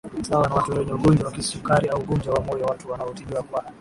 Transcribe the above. Sawa na watu wenye ugonjwa wa kisukari au ugonjwa wa moyo watu wanaotibiwa kwa